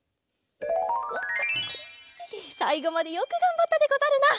さいごまでよくがんばったでござるな。